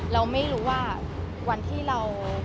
เราไม่รู้ว่าวันที่เรา